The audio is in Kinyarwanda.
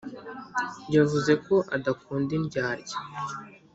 yavuzeko adakunda indyarya